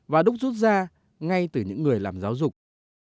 và đúc rút ra ngay từ những người làm giáo dục